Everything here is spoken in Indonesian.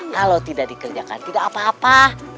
kalau tidak dikerjakan tidak apa apa